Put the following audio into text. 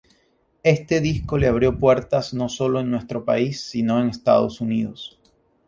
Este disco le abrió puertas no sólo en nuestro país, sino en Estados Unidos.